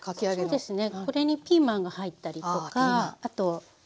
そうですね